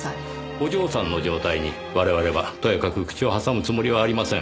お嬢さんの状態に我々はとやかく口を挟むつもりはありません。